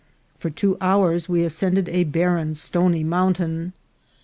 For two hours we ascended a barren stony mountain.